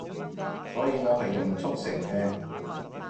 所以我係用速成嘅